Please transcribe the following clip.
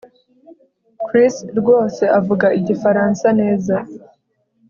Chris rwose avuga igifaransa neza